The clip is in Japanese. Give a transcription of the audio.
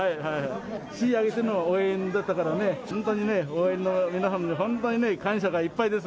市挙げての応援だったから本当に応援の皆さんに感謝がいっぱいです。